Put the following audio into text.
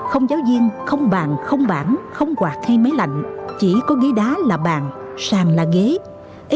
không giáo viên không bàn không bảng không quạt hay máy lạnh chỉ có ghế đá là bàn sàn là ghế